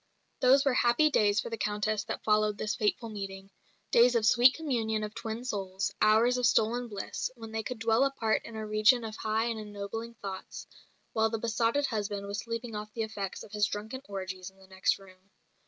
Those were happy days for the Countess that followed this fateful meeting days of sweet communion of twin souls, hours of stolen bliss, when they could dwell apart in a region of high and ennobling thoughts, while the besotted husband was sleeping off the effects of his drunken orgies in the next room.